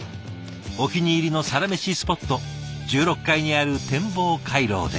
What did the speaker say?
お気に入りのサラメシスポット１６階にある展望回廊で。